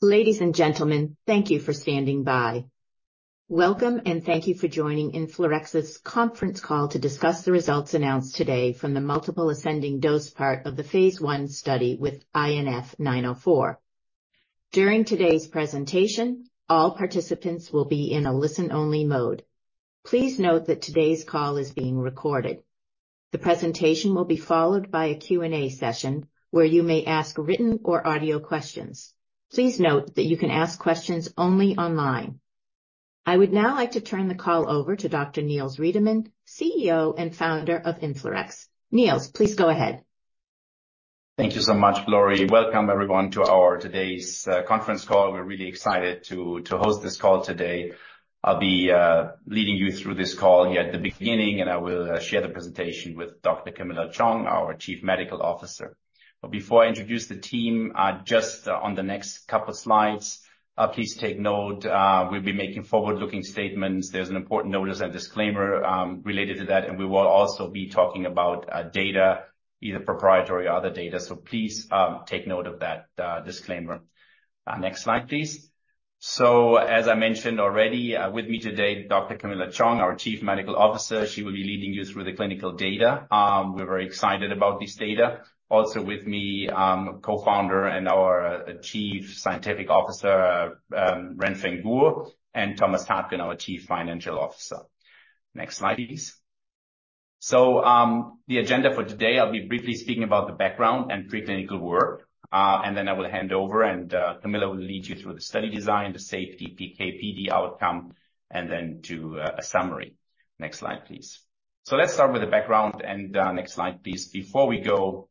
Ladies and gentlemen, thank you for standing by. Welcome, and thank you for joining InflaRx's conference call to discuss the results announced today from the multiple ascending dose part of the phase I study with INF-904. During today's presentation, all participants will be in a listen-only mode. Please note that today's call is being recorded. The presentation will be followed by a Q&A session, where you may ask written or audio questions. Please note that you can ask questions only online. I would now like to turn the call over to Dr. Niels Riedemann, CEO and founder of InflaRx. Niels, please go ahead. Thank you so much, Laurie. Welcome everyone, to our today's conference call. We're really excited to host this call today. I'll be leading you through this call here at the beginning, and I will share the presentation with Dr. Camilla Chong, our Chief Medical Officer. But before I introduce the team, just on the next couple slides, please take note, we'll be making forward-looking statements. There's an important notice and disclaimer related to that, and we will also be talking about data, either proprietary or other data. So please take note of that disclaimer. Next slide, please. So, as I mentioned already, with me today, Dr. Camilla Chong, our Chief Medical Officer. She will be leading you through the clinical data. We're very excited about this data. Also with me, co-founder and our Chief Scientific Officer, Renfeng Guo and Thomas Taapken, our Chief Financial Officer. Next slide, please. So, the agenda for today, I'll be briefly speaking about the background and preclinical work, and then I will hand over, and Camilla will lead you through the study design, the safety, PK/PD outcome, and then to a summary. Next slide, please. So let's start with the background, and next slide, please. Before we go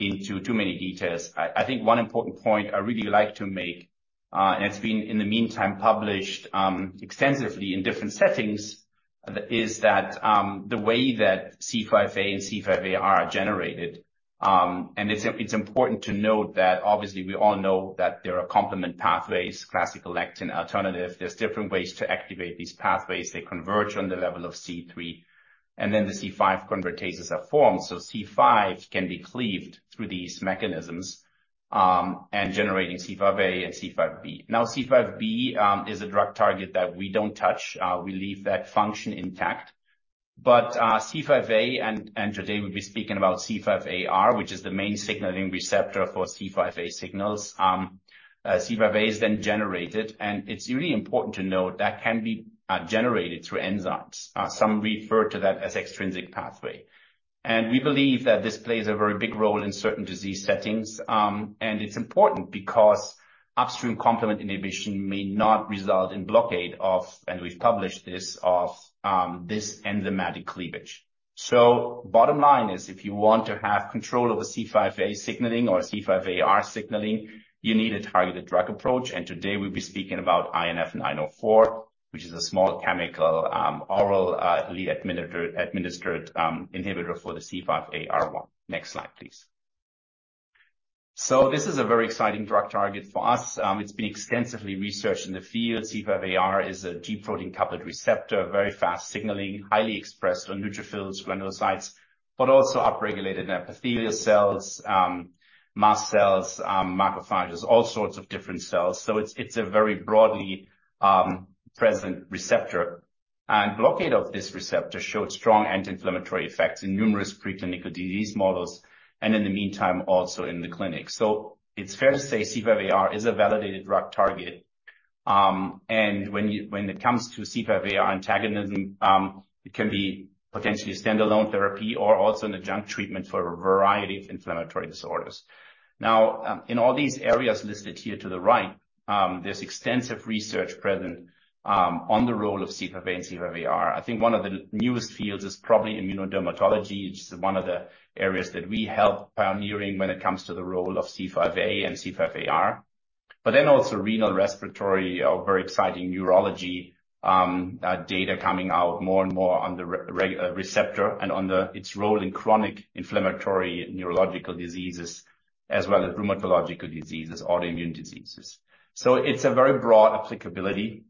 into too many details, I think one important point I really like to make, and it's been, in the meantime, published extensively in different settings, is that, the way that C5a and C5ar are generated. And it's important to note that obviously we all know that there are complement pathways, classical, lectin, alternative. There's different ways to activate these pathways. They converge on the level of C3, and then the C5 convertases are formed. So C5 can be cleaved through these mechanisms, and generating C5a and C5b. Now, C5b is a drug target that we don't touch. We leave that function intact, but C5a and today we'll be speaking about C5aR, which is the main signaling receptor for C5a signals. C5a is then generated, and it's really important to note that can be generated through enzymes. Some refer to that as extrinsic pathway. We believe that this plays a very big role in certain disease settings. It's important because upstream complement inhibition may not result in blockade of, and we've published this, of this enzymatic cleavage. So bottom line is if you want to have control over C5a signaling or C5aR signaling, you need a targeted drug approach. And today we'll be speaking about INF-904, which is a small molecule oral administered inhibitor for the C5aR1. Next slide, please. So this is a very exciting drug target for us. It's been extensively researched in the field. C5aR is a G protein-coupled receptor, very fast signaling, highly expressed on neutrophils, granulocytes, but also upregulated in epithelial cells, mast cells, macrophages, all sorts of different cells. So it's, it's a very broadly present receptor, and blockade of this receptor showed strong anti-inflammatory effects in numerous preclinical disease models and in the meantime, also in the clinic. So it's fair to say C5aR is a validated drug target. And when it comes to C5aR antagonism, it can be potentially a standalone therapy or also an adjunct treatment for a variety of inflammatory disorders. Now, in all these areas listed here to the right, there's extensive research present on the role of C5a and C5aR. I think one of the newest fields is probably immunodermatology, which is one of the areas that we help pioneering when it comes to the role of C5a and C5aR. But then also renal, respiratory or very exciting neurology, data coming out more and more on the receptor and on its role in chronic inflammatory neurological diseases, as well as rheumatological diseases, autoimmune diseases. So it's a very broad applicability,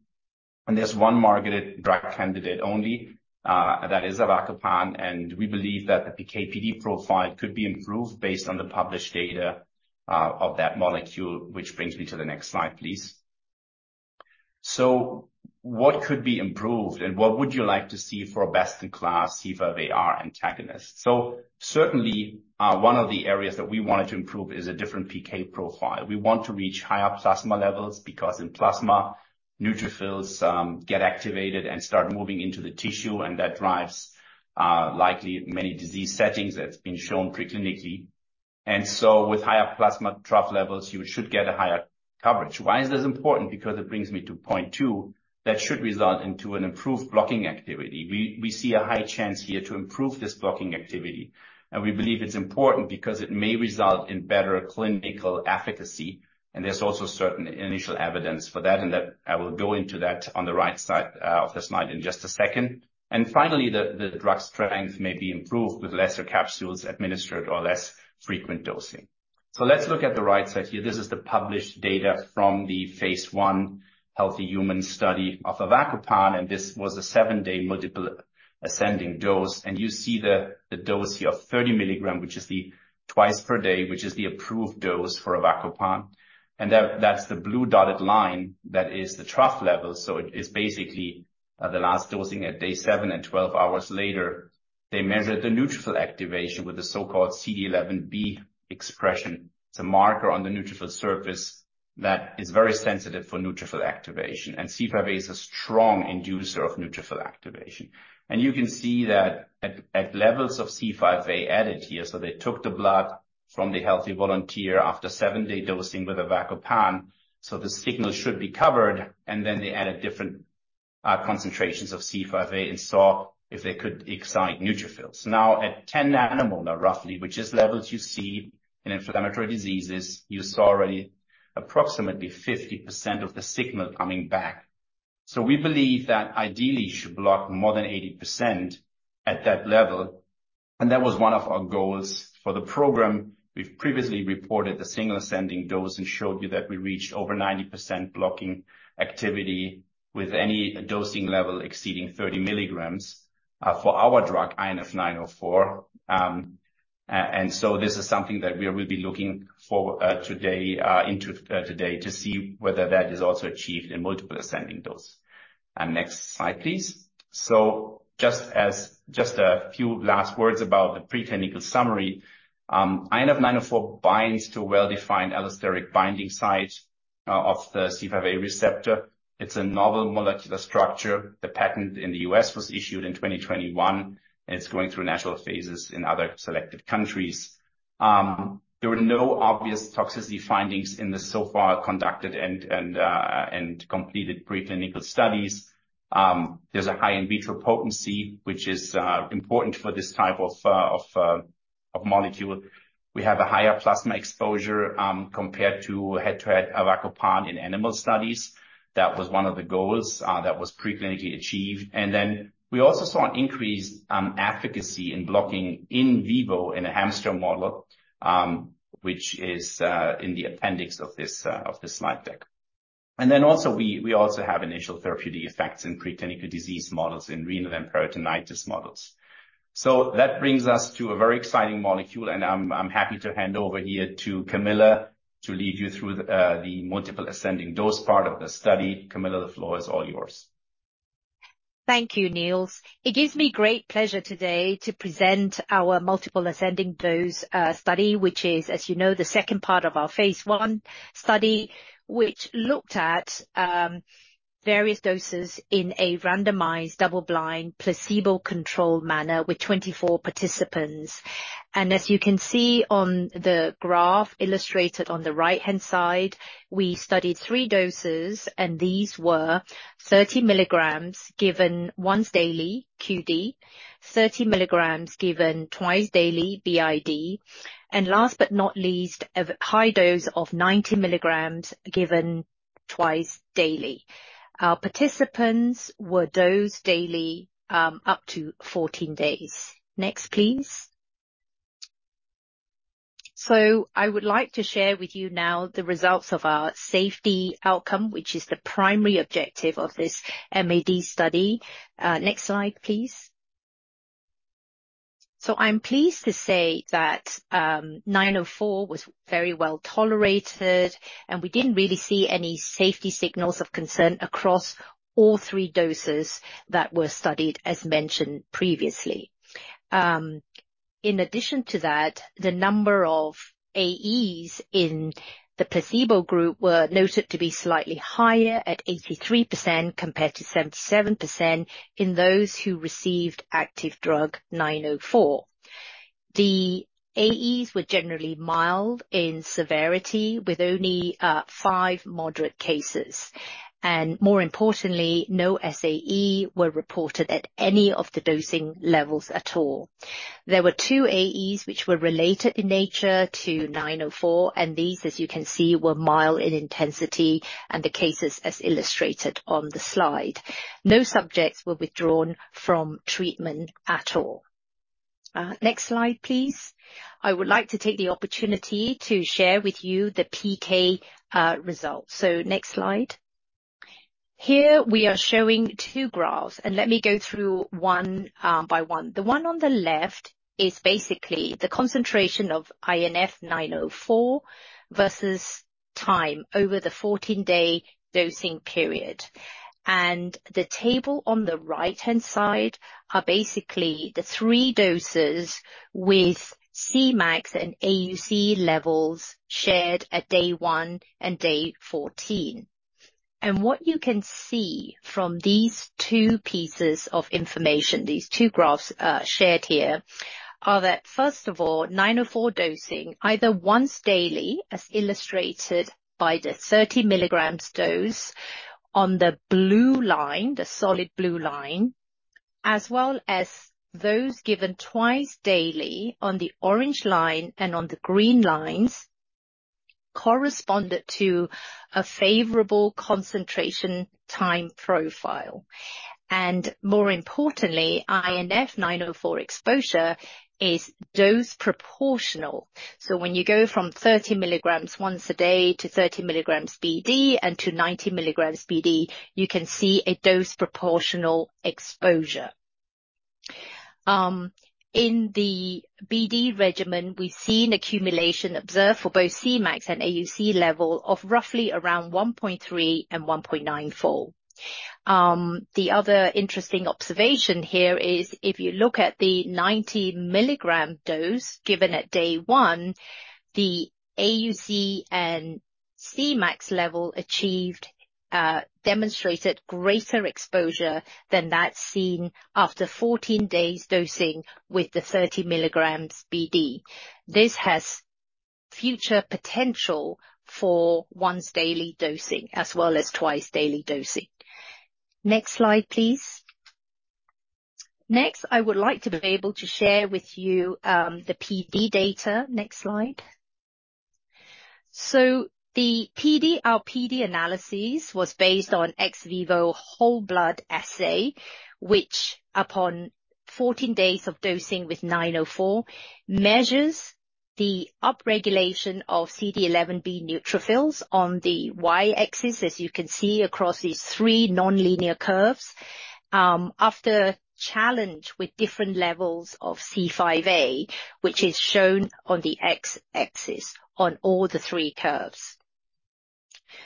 and there's one marketed drug candidate only, that is Avacopan, and we believe that the PK/PD profile could be improved based on the published data, of that molecule. Which brings me to the next slide, please. So what could be improved, and what would you like to see for a best-in-class C5aR antagonist? So certainly, one of the areas that we wanted to improve is a different PK profile. We want to reach higher plasma levels because in plasma, neutrophils, get activated and start moving into the tissue, and that drives, likely many disease settings that's been shown preclinically. And so with higher plasma trough levels, you should get a higher coverage. Why is this important? Because it brings me to point two, that should result into an improved blocking activity. We see a high chance here to improve this blocking activity, and we believe it's important because it may result in better clinical efficacy, and there's also certain initial evidence for that and that I will go into that on the right side of the slide in just a second. And finally, the drug strength may be improved with lesser capsules administered or less frequent dosing. So let's look at the right side here. This is the published data from the phase I healthy human study of Avacopan, and this was a 7-day multiple ascending dose. And you see the dose here of 30mg, which is the twice per day, which is the approved dose for Avacopan, and that, that's the blue dotted line. That is the trough level. So it is basically, the last dosing at day seven and 12 hours later, they measured the neutrophil activation with the so-called CD11b expression. It's a marker on the neutrophil surface that is very sensitive for neutrophil activation, and C5a is a strong inducer of neutrophil activation. And you can see that at levels of C5a added here, so they took the blood from the healthy volunteer after 7-day dosing with Avacopan, so the signal should be covered, and then they added different concentrations of C5a and saw if they could excite neutrophils. Now at 10 nanomolar, roughly, which is levels you see in inflammatory diseases, you saw already approximately 50% of the signal coming back. So we believe that ideally should block more than 80% at that level, and that was one of our goals for the program. We've previously reported the single ascending dose and showed you that we reached over 90% blocking activity with any dosing level exceeding 30mg for our drug, INF-904. And so this is something that we will be looking for today into today to see whether that is also achieved in multiple ascending dose. Next slide, please. So just a few last words about the preclinical summary. INF-904 binds to a well-defined allosteric binding site of the C5a receptor. It's a novel molecular structure. The patent in the U.S. was issued in 2021, and it's going through natural phases in other selected countries. There were no obvious toxicity findings in the so far conducted and completed preclinical studies. There's a high in vitro potency, which is important for this type of molecule. We have a higher plasma exposure, compared to head-to-head Avacopan in animal studies. That was one of the goals that was pre-clinically achieved. And then we also saw an increased efficacy in blocking in vivo in a hamster model, which is in the appendix of this slide deck. And then also, we also have initial therapeutic effects in pre-clinical disease models, in renal and peritonitis models. So that brings us to a very exciting molecule, and I'm happy to hand over here to Camilla to lead you through the multiple ascending dose part of the study. Camilla, the floor is all yours. Thank you, Niels. It gives me great pleasure today to present our multiple ascending dose study, which is, as you know, the second part of our phase I study, which looked at various doses in a randomized, double-blind, placebo-controlled manner with 24 participants. And as you can see on the graph illustrated on the right-hand side, we studied three doses, and these were 30mg given once daily, QD, 30mg given twice daily, BID, and last but not least, a high dose of 90mg given twice daily. Our participants were dosed daily up to 14 days. Next, please. So I would like to share with you now the results of our safety outcome, which is the primary objective of this MAD study. Next slide, please. So I'm pleased to say that, INF-904 was very well tolerated, and we didn't really see any safety signals of concern across all three doses that were studied, as mentioned previously. In addition to that, the number of AEs in the placebo group were noted to be slightly higher at 83%, compared to 77% in those who received active drug INF-904. The AEs were generally mild in severity, with only five moderate cases. And more importantly, no SAE were reported at any of the dosing levels at all. There were two AEs which were related in nature to INF-904, and these, as you can see, were mild in intensity and the cases as illustrated on the slide. No subjects were withdrawn from treatment at all. Next slide, please. I would like to take the opportunity to share with you the PK results. So next slide. Here we are showing two graphs, and let me go through one by one. The one on the left is basically the concentration of INF-904 versus time over the 14-day dosing period. And the table on the right-hand side are basically the three doses with Cmax and AUC levels shared at day one and day 14. And what you can see from these two pieces of information, these two graphs shared here, are that, first of all, 904 dosing, either once daily, as illustrated by the 30mg dose on the blue line, the solid blue line, as well as those given twice daily on the orange line and on the green lines corresponded to a favorable concentration time profile. And more importantly, INF-904 exposure is dose proportional. So when you go from 30mg once a day to 30mg BD and to 90mg BD, you can see a dose proportional exposure. In the BD regimen, we've seen accumulation observed for both Cmax and AUC level of roughly around 1.3 and 1.94. The other interesting observation here is, if you look at the 90mg dose given at day one, the AUC and Cmax level achieved demonstrated greater exposure than that seen after 14 days dosing with the 30mg BD. This has future potential for once daily dosing as well as twice-daily dosing. Next slide, please. Next, I would like to be able to share with you the PD data. Next slide. So the PD, our PD analysis was based on ex vivo whole blood assay, which upon 14 days of dosing with INF-904, measures the upregulation of CD11b neutrophils on the y-axis, as you can see, across these three nonlinear curves, after challenge with different levels of C5a, which is shown on the x-axis on all the three curves.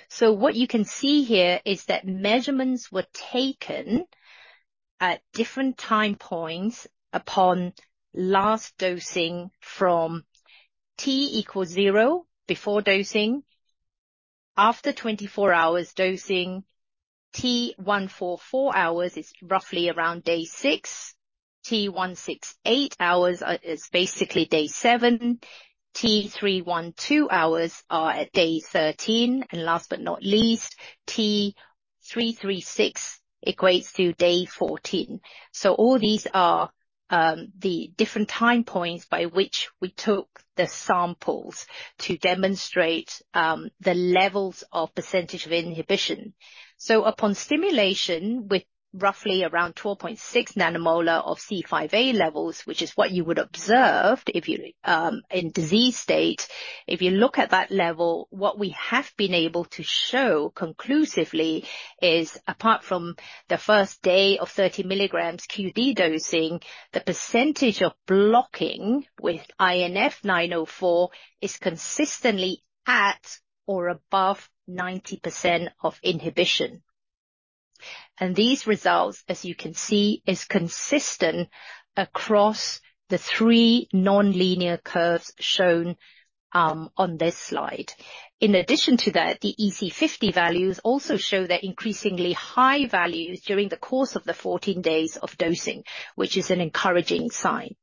So what you can see here is that measurements were taken at different time points upon last dosing from T=0 before dosing. After 24 hours dosing, T144 hours is roughly around day 6. T168 hours is basically day 7. T312 hours are at day 13. And last but not least, T336 equates to day 14. So all these are the different time points by which we took the samples to demonstrate the levels of percentage of inhibition. So upon stimulation with roughly around 12.6 nanomolar of C5a levels, which is what you would observed if you in disease state. If you look at that level, what we have been able to show conclusively is, apart from the first day of 30mg QD dosing, the percentage of blocking with INF-904 is consistently at or above 90% of inhibition. And these results, as you can see, is consistent across the three non-linear curves shown on this slide. In addition to that, the EC50 values also show that increasingly high values during the course of the 14 days of dosing, which is an encouraging sign.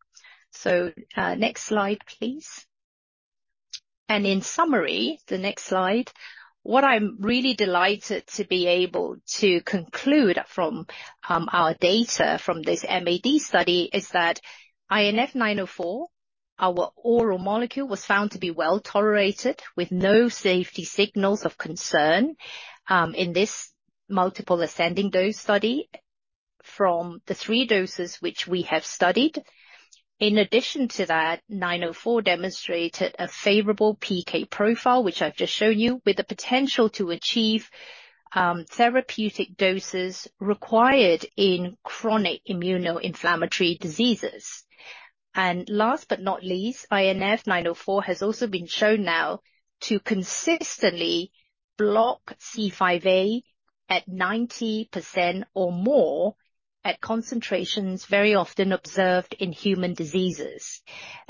So, next slide, please. And in summary, the next slide. What I'm really delighted to be able to conclude from our data from this MAD study is that INF-904, our oral molecule, was found to be well-tolerated with no safety signals of concern in this multiple ascending dose study from the three doses which we have studied. In addition to that, 904 demonstrated a favorable PK profile, which I've just shown you, with the potential to achieve therapeutic doses required in chronic immunoinflammatory diseases. Last but not least, INF-904 has also been shown now to consistently block C5a at 90% or more, at concentrations very often observed in human diseases.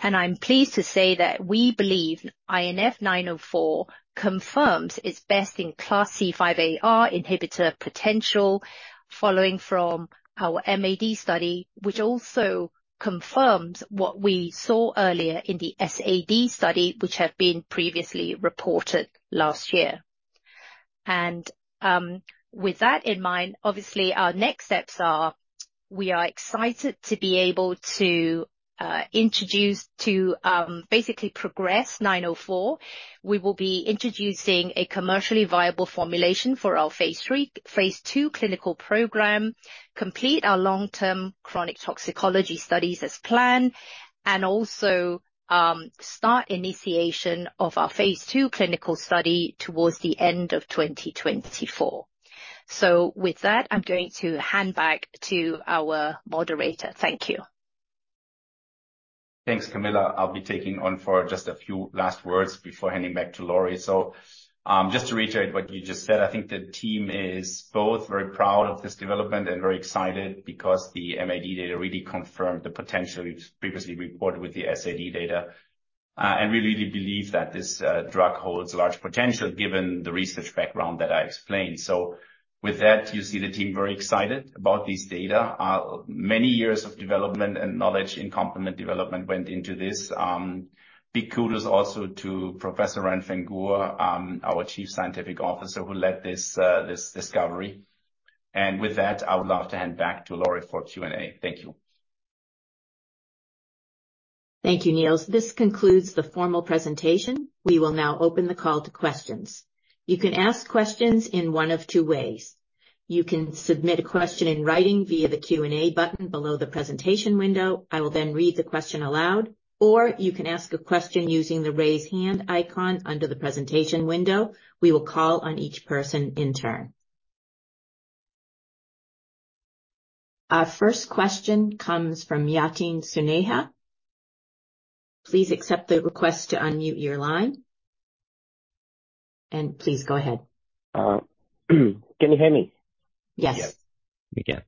I'm pleased to say that we believe INF-904 confirms its best-in-class C5aR inhibitor potential, following from our MAD study, which also confirms what we saw earlier in the SAD study, which have been previously reported last year. With that in mind, obviously, our next steps are: we are excited to be able to, introduce to, basically progress INF-904. We will be introducing a commercially viable formulation for our phase II clinical program, complete our long-term chronic toxicology studies as planned, and also, start initiation of our phase II clinical study towards the end of 2024. So with that, I'm going to hand back to our moderator. Thank you. Thanks, Camilla. I'll be taking on for just a few last words before handing back to Laurie. So, just to reiterate what you just said, I think the team is both very proud of this development and very excited because the MAD data really confirmed the potential we've previously reported with the SAD data. And we really believe that this drug holds large potential, given the research background that I explained. So with that, you see the team very excited about this data. Many years of development and knowledge in complement development went into this. Big kudos also to Professor Renfeng Guo, our Chief Scientific Officer, who led this discovery. And with that, I would love to hand back to Laurie for Q&A. Thank you.... Thank you, Niels. This concludes the formal presentation. We will now open the call to questions. You can ask questions in one of two ways. You can submit a question in writing via the Q&A button below the presentation window. I will then read the question aloud, or you can ask a question using the raise hand icon under the presentation window. We will call on each person in turn. Our first question comes from Yatin Suneja. Please accept the request to unmute your line, and please go ahead. Can you hear me? Yes. Yes, we can.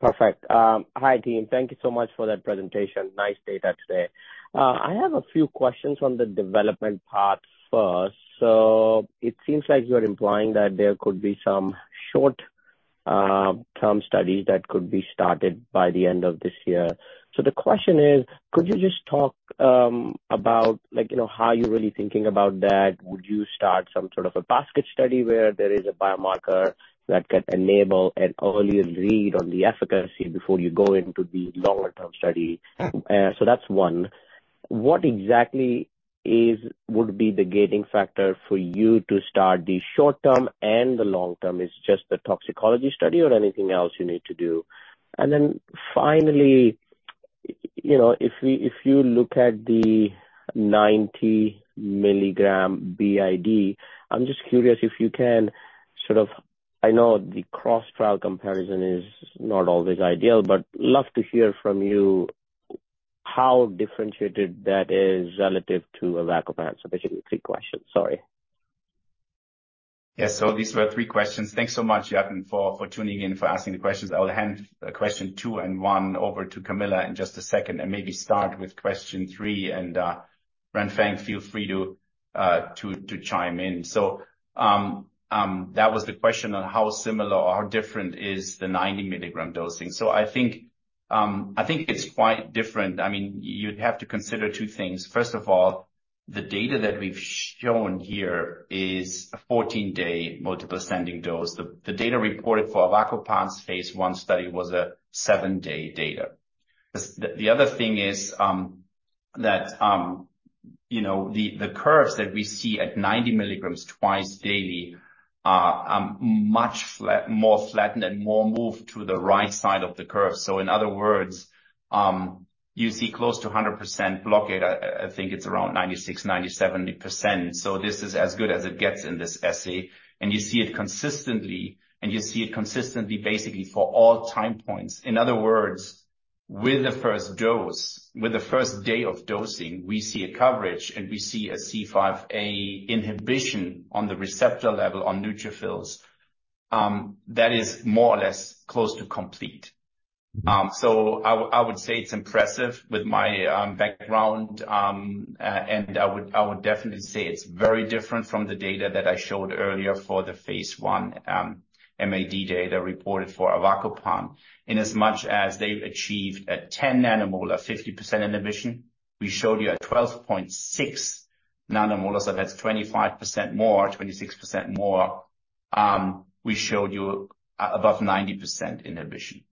Perfect. Hi, team. Thank you so much for that presentation. Nice data today. I have a few questions on the development part first. So it seems like you are implying that there could be some short-term studies that could be started by the end of this year. So the question is, could you just talk about like, you know, how you're really thinking about that? Would you start some sort of a basket study where there is a biomarker that can enable an earlier read on the efficacy before you go into the longer-term study? So that's one. What exactly would be the gating factor for you to start the short-term and the long-term? It's just the toxicology study or anything else you need to do? And then finally, you know, if you look at the 90mg BID, I'm just curious if you can sort of... I know the cross trial comparison is not always ideal, but love to hear from you how differentiated that is relative to Avacopan. So basically three questions. Sorry. Yeah. So these were three questions. Thanks so much, Yatin, for tuning in, for asking the questions. I will hand question two and one over to Camilla in just a second, and maybe start with question three, and Renfeng Guo, feel free to chime in. So, that was the question on how similar or different is the 90mg dosing. So I think, I think it's quite different. I mean, you'd have to consider two things. First of all, the data that we've shown here is a 14-day multiple ascending dose. The data reported for avacopan's phase I study was a 7-day data. The other thing is that, you know, the curves that we see at 90mg twice daily are much more flattened and more moved to the right side of the curve. So in other words, you see close to 100% blockade. I think it's around 96%-97%. So this is as good as it gets in this assay, and you see it consistently, and you see it consistently, basically for all time points. In other words, with the first dose, with the first day of dosing, we see a coverage, and we see a C5a inhibition on the receptor level, on neutrophils, that is more or less close to complete. So I would say it's impressive with my background, and I would definitely say it's very different from the data that I showed earlier for the phase I MAD data reported for avacopan. In as much as they've achieved a 10 nanomolar, 50% inhibition, we showed you a 12.6 nanomolar, so that's 25% more, 26% more. We showed you above 90% inhibition.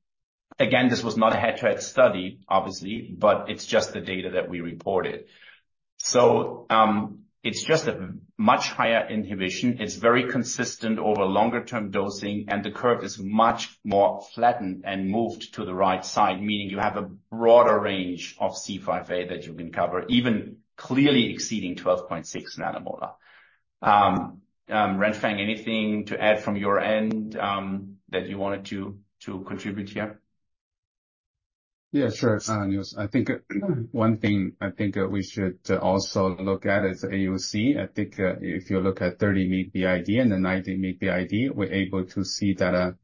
Again, this was not a head-to-head study, obviously, but it's just the data that we reported. So, it's just a much higher inhibition. It's very consistent over longer term dosing, and the curve is much more flattened and moved to the right side, meaning you have a broader range of C5a that you can cover, even clearly exceeding 12.6 nanomolar. Renfeng Guo, anything to add from your end, that you wanted to contribute here? Yeah, sure, Niels. I think, one thing I think, we should also look at is AUC. I think, if you look at 30mg BID and the 90mg BID, we're able to see that,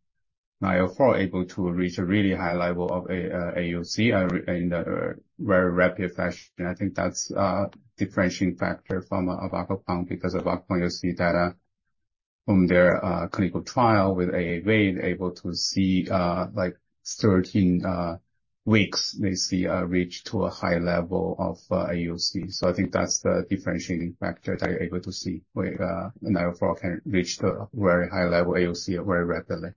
INF-904 able to reach a really high level of AUC in a very rapid fashion. I think that's a differentiating factor from Avacopan because Avacopan, you see data from their, clinical trial with AAV able to see, like 13 weeks, they see, reach to a high level of AUC. So I think that's the differentiating factor that you're able to see, where, INF-904 can reach the very high level AUC very rapidly.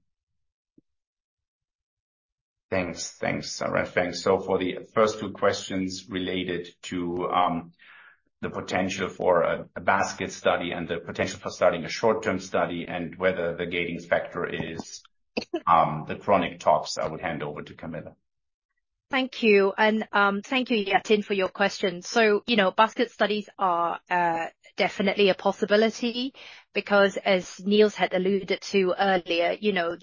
Thanks. Thanks, Renfeng Guo. So for the first two questions related to, the potential for a, a basket study and the potential for starting a short-term study and whether the gating factor is, the chronic tox, I would hand over to Camilla. Thank you, and thank you, Yatin, for your question. So, you know, basket studies are definitely a possibility because as Nils had alluded to earlier, you know,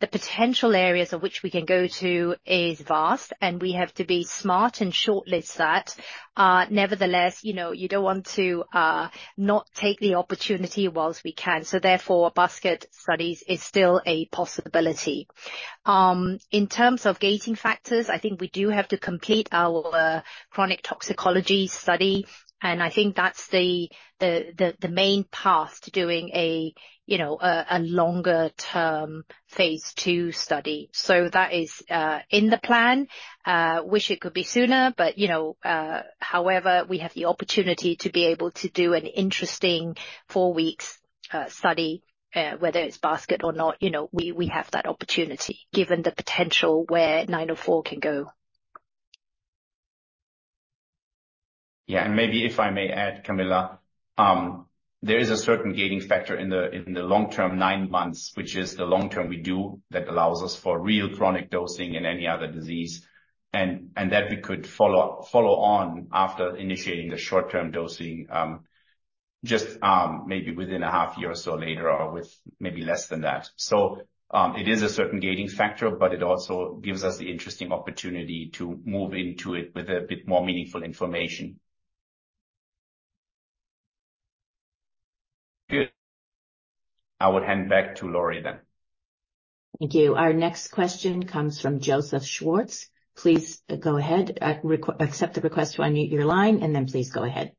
the potential areas of which we can go to is vast, and we have to be smart and shortlist that. Nevertheless, you know, you don't want to not take the opportunity while we can, so therefore, basket studies is still a possibility. In terms of gating factors, I think we do have to complete our chronic toxicology study, and I think that's the main path to doing a, you know, a longer term phase II study. So that is in the plan. Wish it could be sooner, but, you know, however, we have the opportunity to be able to do an interesting four weeks-... study whether it's basket or not, you know, we, we have that opportunity, given the potential where 904 can go. Yeah, and maybe if I may add, Camilla, there is a certain gating factor in the long-term nine months, which is the long-term we do, that allows us for real chronic dosing in any other disease. And that we could follow on after initiating the short-term dosing, just maybe within a half year or so later or with maybe less than that. So, it is a certain gating factor, but it also gives us the interesting opportunity to move into it with a bit more meaningful information. Good. I would hand back to Laurie then. Thank you. Our next question comes from Joseph Schwartz. Please go ahead. Accept the request to unmute your line, and then please go ahead.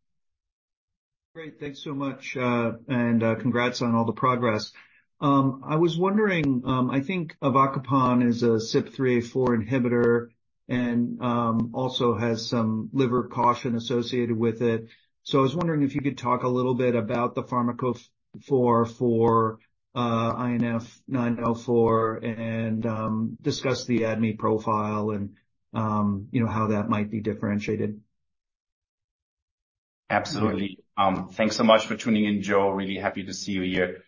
Great. Thanks so much, and congrats on all the progress. I was wondering, I think Avacopan is a CYP3A4 inhibitor and also has some liver caution associated with it. So I was wondering if you could talk a little bit about the pharmacophore for INF-904 and discuss the ADME profile and, you know, how that might be differentiated. Absolutely. Thanks so much for tuning in, Joe. Really happy to see you here.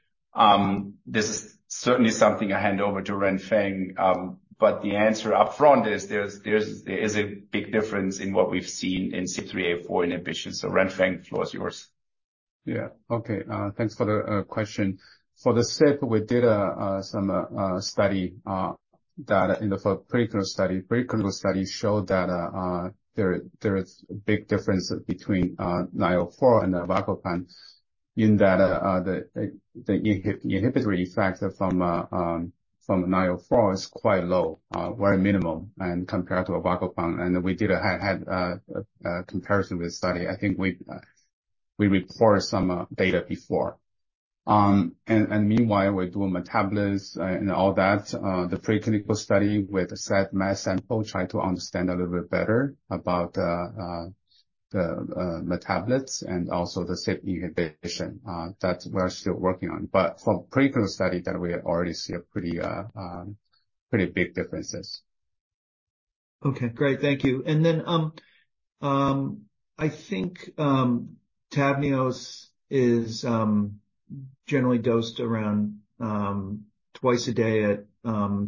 This is certainly something I hand over to Renfeng, but the answer up front is there is a big difference in what we've seen in CYP3A4 inhibition. So Renfeng, the floor is yours. Yeah. Okay. Thanks for the question. For the CYP, we did some study data in the preclinical study. Preclinical study showed that there is a big difference between INF-904 and avacopan in that the inhibitory factor from INF-904 is quite low, very minimal and compared to avacopan. And we did a comparison study. I think we reported some data before. And meanwhile, we're doing metabolism and all that. The preclinical study with SAD/MAD sample, try to understand a little bit better about the metabolites and also the CYP inhibition that we're still working on. But from preclinical study that we already see a pretty big differences. Okay, great. Thank you. And then, I think, Tavneos is generally dosed around twice a day at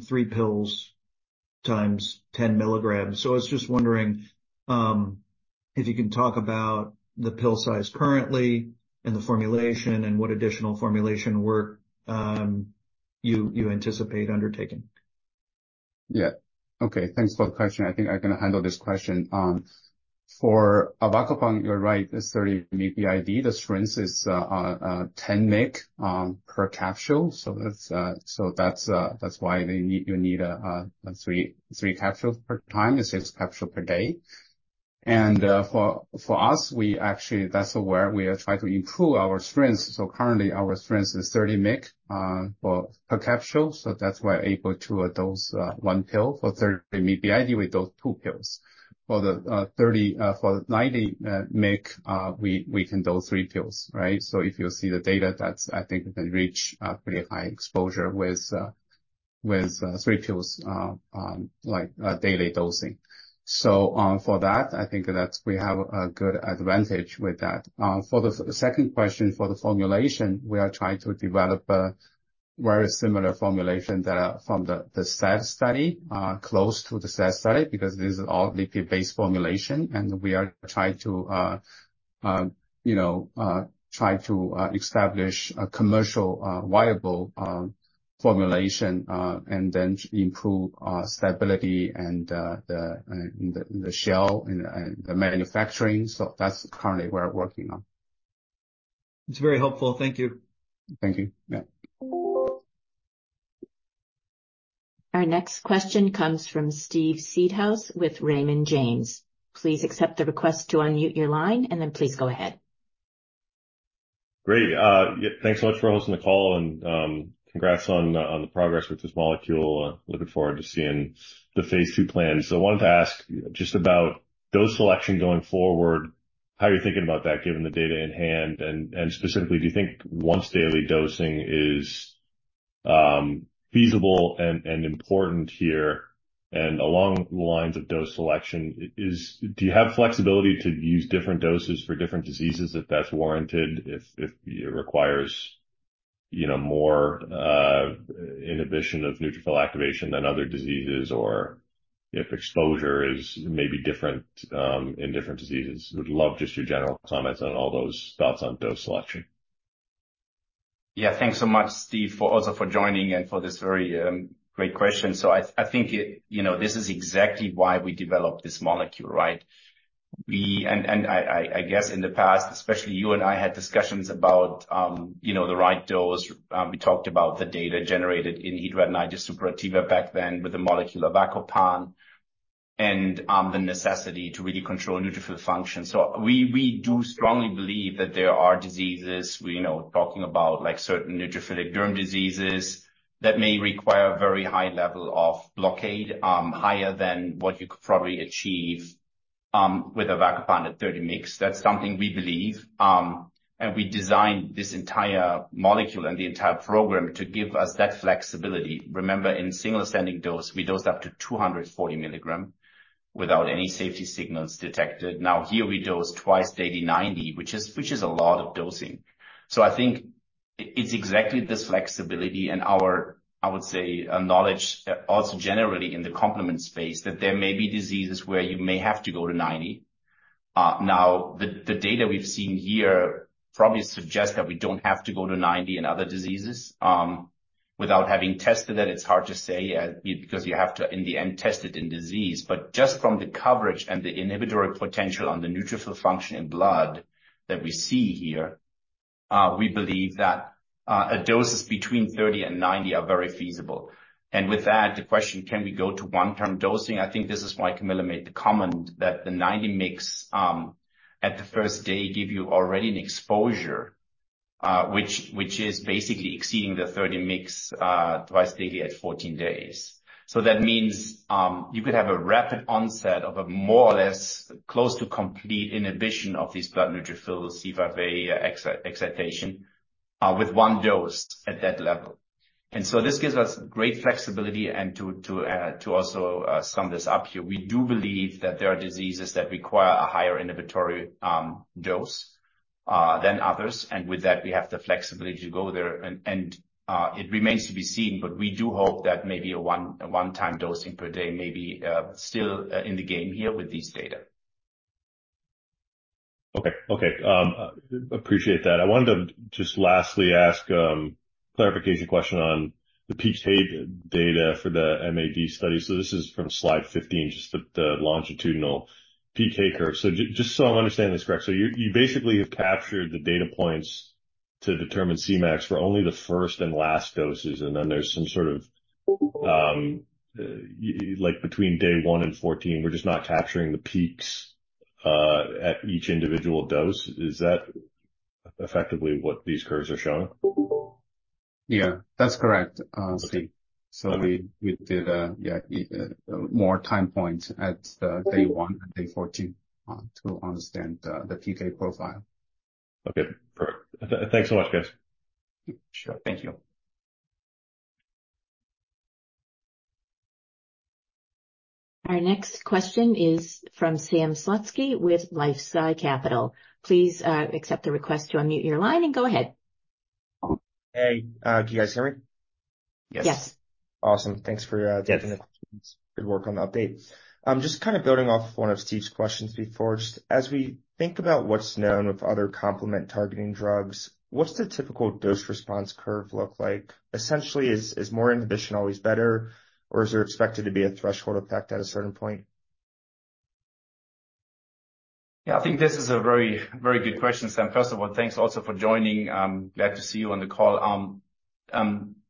three pills times 10mg. So I was just wondering if you can talk about the pill size currently and the formulation and what additional formulation work you anticipate undertaking? Yeah. Okay, thanks for the question. I think I can handle this question. For Avacopan, you're right, it's 30mg BID. The strength is 10mg per capsule. So that's why they need three capsules per time, it's six capsules per day. And for us, we actually, that's where we are trying to improve our strengths. So currently our strength is 30mg per capsule, so that's why we're able to dose one pill for 30mg BID with those two pills. For the 30 for 90mg, we can dose three pills, right? So if you see the data, that's, I think, we can reach a pretty high exposure with three pills like daily dosing. So, for that, I think that we have a good advantage with that. For the second question, for the formulation, we are trying to develop a very similar formulation that from the SAD study, close to the SAD study, because this is all lipid-based formulation, and we are trying to, you know, try to establish a commercial viable formulation, and then improve stability and the shell and the manufacturing. So that's currently we're working on. It's very helpful. Thank you. Thank you. Yeah. Our next question comes from Steve Seedhouse with Raymond James. Please accept the request to unmute your line, and then please go ahead. Great. Yeah, thanks so much for hosting the call, and congrats on the progress with this molecule. Looking forward to seeing the phase II plans. So I wanted to ask just about dose selection going forward. How are you thinking about that, given the data in hand? And specifically, do you think once-daily dosing is feasible and important here? And along the lines of dose selection, do you have flexibility to use different doses for different diseases if that's warranted, if it requires, you know, more inhibition of neutrophil activation than other diseases or if exposure is maybe different in different diseases? Would love just your general comments on all those thoughts on dose selection. Yeah, thanks so much, Steve, for also for joining and for this very, great question. So I, I think, you know, this is exactly why we developed this molecule, right? We and, and I, I guess in the past, especially you and I, had discussions about, you know, the right dose. We talked about the data generated in hidradenitis suppurativa back then with the molecule Avacopan and, the necessity to really control neutrophil function. So we, we do strongly believe that there are diseases, we, you know, talking about like certain neutrophilic derm diseases, that may require a very high level of blockade, higher than what you could probably achieve with Avacopan at 30mg. That's something we believe. And we designed this entire molecule and the entire program to give us that flexibility. Remember, in single ascending dose, we dosed up to 240mg without any safety signals detected. Now, here we dose twice daily, 90, which is a lot of dosing. So I think it's exactly this flexibility and our, I would say, knowledge, also generally in the complement space, that there may be diseases where you may have to go to 90. Now, the data we've seen here probably suggests that we don't have to go to 90 in other diseases. Without having tested it, it's hard to say, because you have to, in the end, test it in disease. But just from the coverage and the inhibitory potential on the neutrophil function in blood that we see here, we believe that doses between 30 and 90 are very feasible. And with that, the question, can we go to one-time dosing? I think this is why Camilla made the comment that the 90mg at the first day give you already an exposure, which is basically exceeding the 30mg twice daily at 14 days. So that means, you could have a rapid onset of a more or less close to complete inhibition of these blood neutrophils, C5a excitation, with one dose at that level. And so this gives us great flexibility and to also sum this up here, we do believe that there are diseases that require a higher inhibitory dose than others, and with that, we have the flexibility to go there. It remains to be seen, but we do hope that maybe a one-time dosing per day may be still in the game here with these data. Okay. Okay, appreciate that. I wanted to just lastly ask, clarification question on the PK data for the MAD study. So this is from slide 15, just the longitudinal PK curve. So just so I understand this correct, so you basically have captured the data points to determine Cmax for only the first and last doses, and then there's some sort of, like, between day one and 14, we're just not capturing the peaks at each individual dose. Is that effectively what these curves are showing? Yeah, that's correct, Steve. Okay. We did more time points at Day I and Day 14 to understand the PK profile. Okay, perfect. Thanks so much, guys. Sure. Thank you. Our next question is from Sam Slutsky with LifeSci Capital. Please, accept the request to unmute your line and go ahead. Hey, can you guys hear me? Yes. Yes. Awesome. Thanks for your- Yes. Good work on the update. Just kind of building off one of Steve's questions before. Just as we think about what's known with other complement targeting drugs, what's the typical dose-response curve look like? Essentially, is more inhibition always better, or is there expected to be a threshold effect at a certain point? Yeah, I think this is a very, very good question, Sam. First of all, thanks also for joining. I'm glad to see you on the call.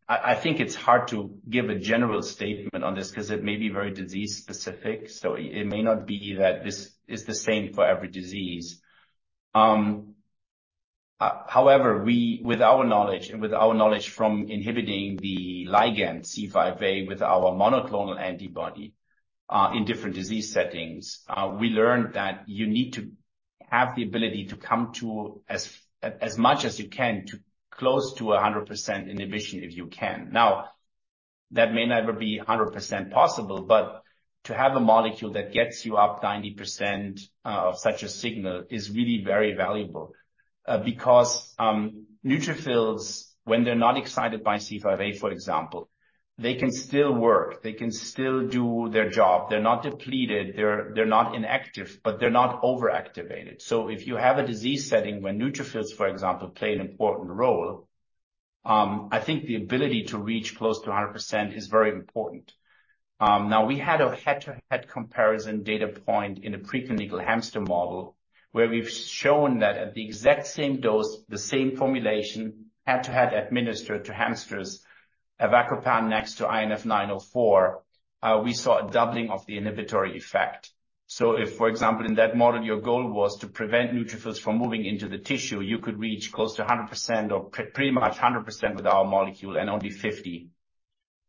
I think it's hard to give a general statement on this 'cause it may be very disease specific, so it may not be that this is the same for every disease. However, we, with our knowledge and with our knowledge from inhibiting the ligand C5a with our monoclonal antibody, in different disease settings, we learned that you need to have the ability to come to as much as you can to close to 100% inhibition, if you can. Now, that may never be 100% possible, but to have a molecule that gets you up 90% of such a signal is really very valuable. Because, neutrophils, when they're not excited by C5a, for example, they can still work, they can still do their job. They're not depleted, they're, they're not inactive, but they're not overactivated. So if you have a disease setting where neutrophils, for example, play an important role, I think the ability to reach close to 100% is very important. Now, we had a head-to-head comparison data point in a preclinical hamster model, where we've shown that at the exact same dose, the same formulation, head-to-head, administered to hamsters, avacopan next to INF-904, we saw a doubling of the inhibitory effect. So if, for example, in that model, your goal was to prevent neutrophils from moving into the tissue, you could reach close to 100% or pretty much 100% with our molecule and only 50%.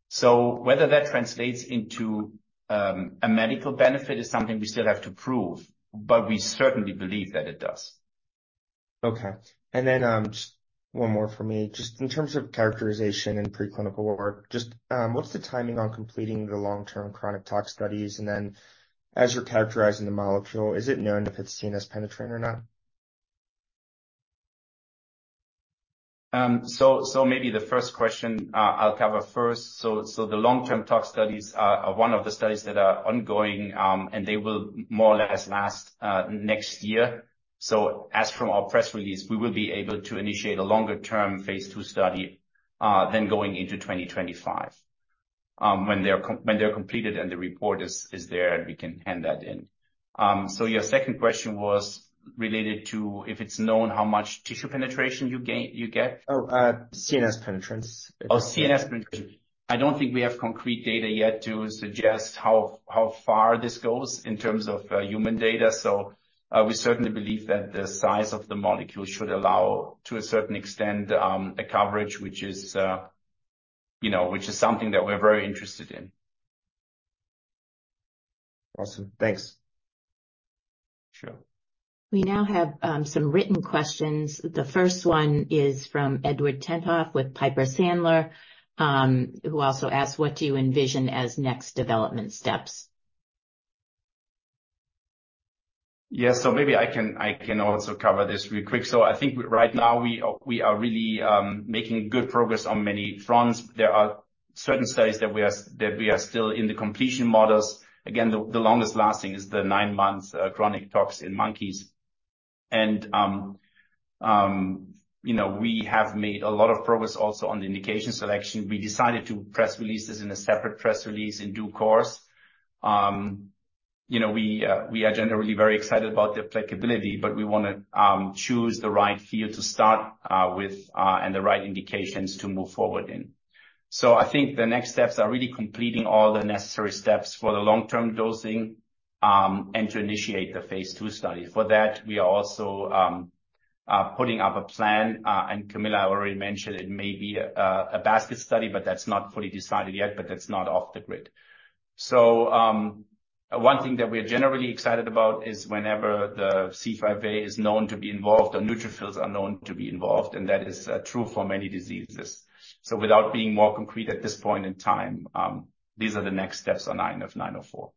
So whether that translates into a medical benefit is something we still have to prove, but we certainly believe that it does. Okay, and then, just one more for me. Just in terms of characterization and preclinical work, just, what's the timing on completing the long-term chronic tox studies? And then as you're characterizing the molecule, is it known if it's CNS penetrating or not? So, so maybe the first question, I'll cover first. So the long-term tox studies are one of the studies that are ongoing, and they will more or less last next year. So as from our press release, we will be able to initiate a longer term phase II study, then going into 2025, when they're completed and the report is there, we can hand that in. So your second question was related to if it's known, how much tissue penetration you gain? Oh, CNS penetrance. Oh, CNS penetrance. I don't think we have concrete data yet to suggest how, how far this goes in terms of, human data. So, we certainly believe that the size of the molecule should allow, to a certain extent, a coverage which is, you know, which is something that we're very interested in. Awesome. Thanks. Sure. We now have some written questions. The first one is from Edward Tenthoff with Piper Sandler, who also asked: What do you envision as next development steps? Yes, so maybe I can also cover this real quick. So I think right now, we are really making good progress on many fronts. There are certain studies that we are still in the completion models. Again, the longest lasting is the nine month chronic talks in monkeys. And, you know, we have made a lot of progress also on the indication selection. We decided to press release this in a separate press release in due course. You know, we are generally very excited about the applicability, but we wanna choose the right field to start with and the right indications to move forward in. So I think the next steps are really completing all the necessary steps for the long-term dosing and to initiate the phase II study. For that, we are also putting up a plan, and Camilla already mentioned it may be a basket study, but that's not fully decided yet, but that's not off the grid. So, one thing that we are generally excited about is whenever the C5a is known to be involved or neutrophils are known to be involved, and that is true for many diseases. So without being more concrete at this point in time, these are the next steps on INF-904.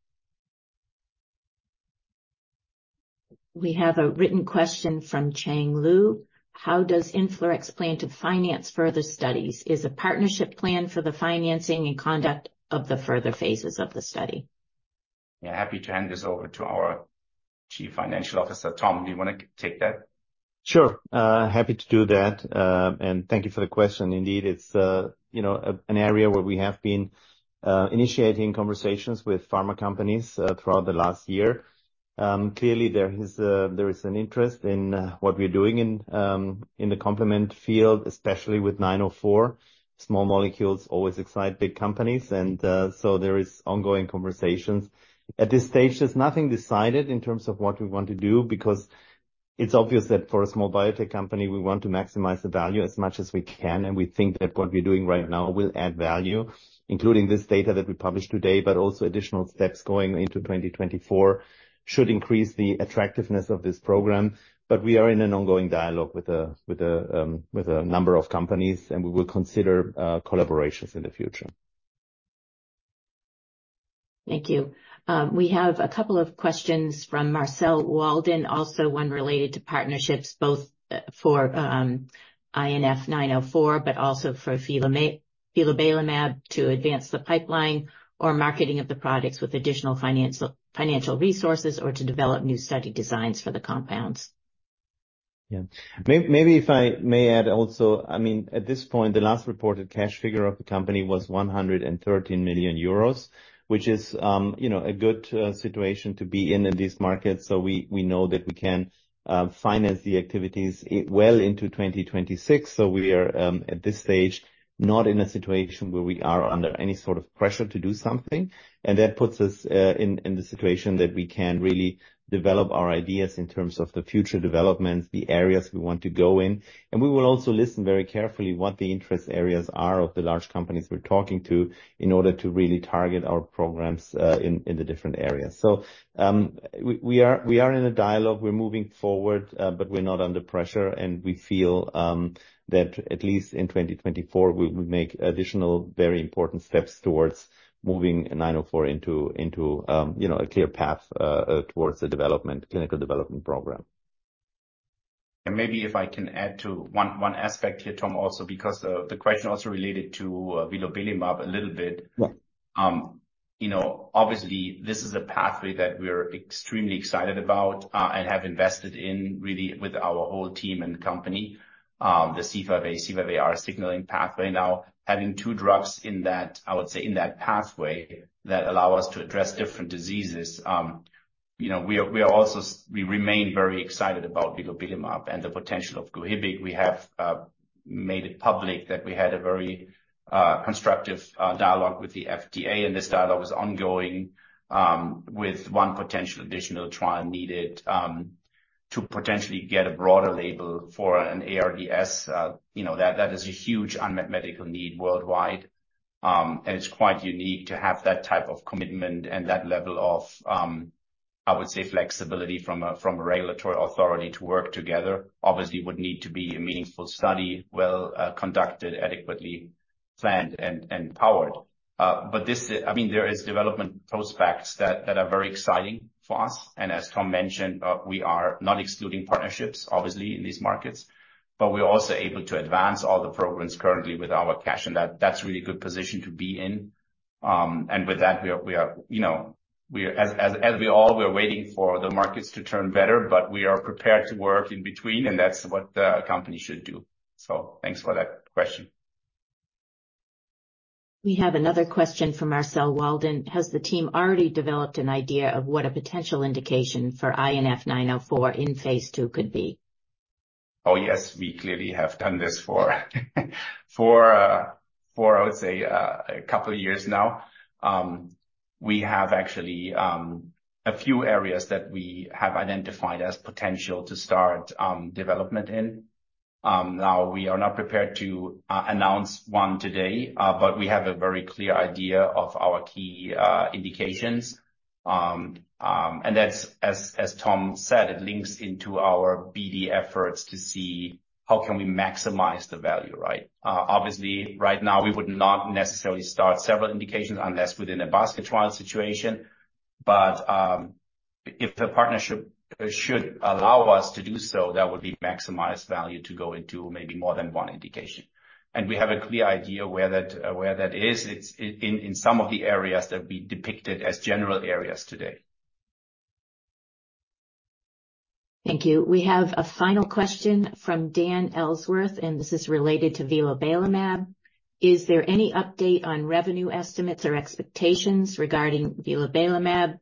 We have a written question from Cheng Liu: How does InflaRx plan to finance further studies? Is a partnership plan for the financing and conduct of the further phases of the study? Yeah, happy to hand this over to our Chief Financial Officer. Tom, do you wanna take that? Sure, happy to do that, and thank you for the question. Indeed, it's, you know, an area where we have been, initiating conversations with pharma companies, throughout the last year. Clearly, there is, there is an interest in, what we're doing in, in the complement field, especially with INF-904. Small molecules always excite big companies, and, so there is ongoing conversations. At this stage, there's nothing decided in terms of what we want to do because it's obvious that for a small biotech company, we want to maximize the value as much as we can, and we think that what we're doing right now will add value, including this data that we published today, but also additional steps going into 2024 should increase the attractiveness of this program. But we are in an ongoing dialogue with a number of companies, and we will consider collaborations in the future. Thank you. We have a couple of questions from Marcel Wijma. Also, one related to partnerships, both for INF-904, but also for Vilobelimab, Vilobelimab to advance the pipeline or marketing of the products with additional financial, financial resources or to develop new study designs for the compounds. Yeah. Maybe if I may add also, I mean, at this point, the last reported cash figure of the company was 113 million euros, which is, you know, a good situation to be in in these markets. So we, we know that we can finance the activities well into 2026. So we are, at this stage, not in a situation where we are under any sort of pressure to do something, and that puts us in the situation that we can really develop our ideas in terms of the future developments, the areas we want to go in. And we will also listen very carefully what the interest areas are of the large companies we're talking to in order to really target our programs in the different areas. So, we are in a dialogue. We're moving forward, but we're not under pressure, and we feel that at least in 2024, we will make additional, very important steps towards moving INF-904 into, you know, a clear path towards the clinical development program. Maybe if I can add to one aspect here, Tom, also, because the question also related to Vilobelimab a little bit. Yeah. You know, obviously, this is a pathway that we're extremely excited about, and have invested in really with our whole team and company. The C5a, C5aR signaling pathway. Now, having two drugs in that, I would say, in that pathway, that allow us to address different diseases, you know, we are also... We remain very excited about Vilobelimab and the potential of GOHIBIC. We have made it public that we had a very constructive dialogue with the FDA, and this dialogue is ongoing, with one potential additional trial needed, to potentially get a broader label for an ARDS. You know, that is a huge unmet medical need worldwide, and it's quite unique to have that type of commitment and that level of, I would say, flexibility from a regulatory authority to work together. Obviously, would need to be a meaningful study, well, conducted, adequately planned and powered. But this, I mean, there is development prospects that are very exciting for us. And as Tom mentioned, we are not excluding partnerships, obviously, in these markets, but we're also able to advance all the programs currently with our cash, and that's a really good position to be in. And with that, we are, you know, as we all, we're waiting for the markets to turn better, but we are prepared to work in between, and that's what a company should do. So thanks for that question. We have another question from Marcel Wijma. Has the team already developed an idea of what a potential indication for INF-904 in phase II could be? Oh, yes, we clearly have done this for a couple of years now. We have actually a few areas that we have identified as potential to start development in. Now, we are not prepared to announce one today, but we have a very clear idea of our key indications. And that's as Tom said, it links into our BD efforts to see how can we maximize the value, right? Obviously, right now, we would not necessarily start several indications unless within a basket trial situation. But, if the partnership should allow us to do so, that would be maximized value to go into maybe more than one indication. And we have a clear idea where that is. It's in some of the areas that we depicted as general areas today. Thank you. We have a final question from Dan Ellsworth, and this is related to vilobelimab. Is there any update on revenue estimates or expectations regarding vilobelimab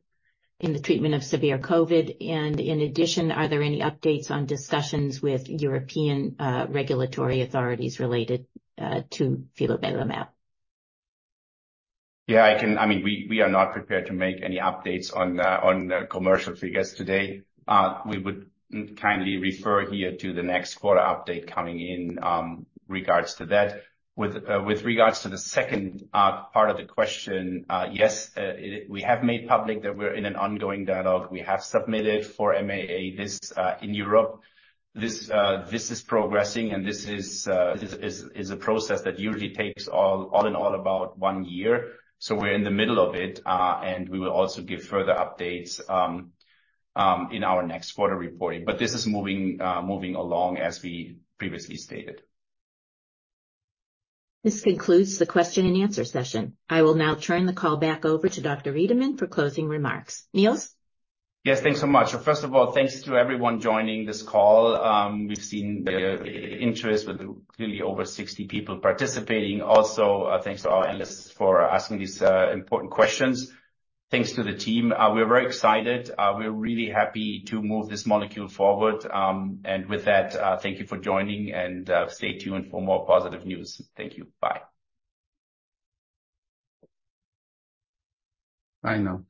in the treatment of severe COVID? And in addition, are there any updates on discussions with European regulatory authorities related to vilobelimab? Yeah, I can... I mean, we are not prepared to make any updates on commercial figures today. We would kindly refer here to the next quarter update coming in regards to that. With regards to the second part of the question, yes, we have made public that we're in an ongoing dialogue. We have submitted for MAA this in Europe. This is progressing, and this is a process that usually takes all in all about one year. So we're in the middle of it, and we will also give further updates in our next quarter reporting. But this is moving along, as we previously stated. This concludes the question and answer session. I will now turn the call back over to Dr. Riedemann for closing remarks. Niels? Yes, thanks so much. First of all, thanks to everyone joining this call. We've seen the interest with clearly over 60 people participating. Also, thanks to our analysts for asking these important questions. Thanks to the team. We're very excited. We're really happy to move this molecule forward. And with that, thank you for joining, and stay tuned for more positive news. Thank you. Bye. Bye now.